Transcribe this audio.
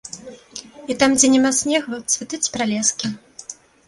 І там, дзе няма снегу, цвітуць пралескі.